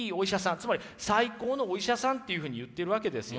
つまり最高のお医者さんというふうに言ってるわけですよ。